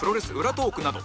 トーークなど